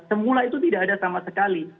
semula itu tidak ada sama sekali